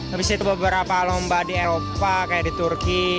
habis itu beberapa lomba di eropa kayak di turki